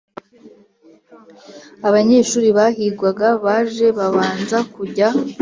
Abanyeshuri Bahigwaga Baje Babanza Kujya